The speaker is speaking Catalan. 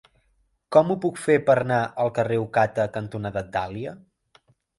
Com ho puc fer per anar al carrer Ocata cantonada Dàlia?